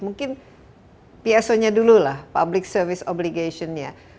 mungkin pia sonya dulu lah public service obligation nya